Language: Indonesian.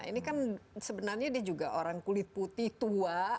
ini kan sebenarnya dia juga orang kulit putih tua